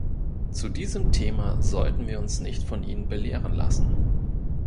Zu diesem Thema sollten wir uns nicht von ihnen belehren lassen.